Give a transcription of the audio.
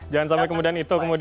jangan sampai kemudian itu